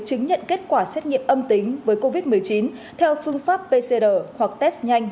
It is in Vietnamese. chứng nhận kết quả xét nghiệm âm tính với covid một mươi chín theo phương pháp pcr hoặc test nhanh